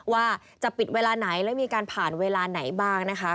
ว่าจะปิดเวลาไหนแล้วมีการผ่านเวลาไหนบ้างนะคะ